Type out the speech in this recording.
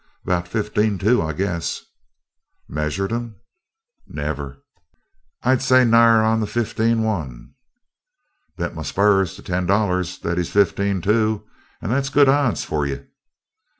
"About fifteen two, I guess." "Measured him?" "Never." "I'd say nigher onto fifteen one." "Bet my spurs to ten dollars that he's fifteen two; and that's good odds for you."